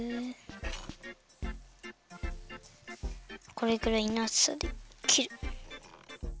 これくらいのあつさできる。